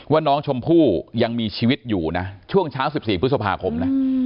ว่าน้องชมพู่ยังมีชีวิตอยู่นะช่วงเช้า๑๔พฤษภาคมนะ